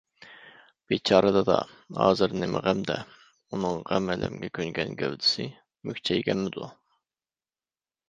بىچارە دادا ھازىر نېمە غەمدە، ئۇنىڭ غەم-ئەلەمگە كۆنگەن گەۋدىسى مۈكچەيگەنمىدۇ؟